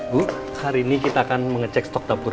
bu hari ini kita akan mengecek stok dapur